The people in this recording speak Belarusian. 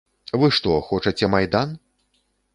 Вы што, хочаце майдан?